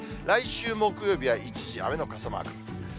来週木曜日は一時雨の傘マーク。